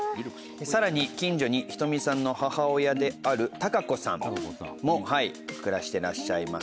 さらに近所にひとみさんの母親である孝子さんも暮らしてらっしゃいます。